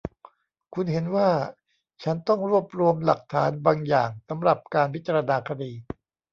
คุณเห็นว่าฉันต้องรวบรวมหลักฐานบางอย่างสำหรับการพิจารณาคดี